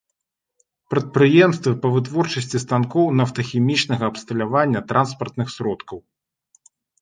Прадпрыемствы па вытворчасці станкоў, нафтахімічнага абсталявання, транспартных сродкаў.